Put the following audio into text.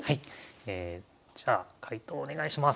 じゃあ解答お願いします。